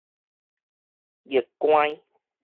逆乖